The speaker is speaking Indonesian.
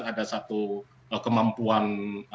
ada satu kemampuan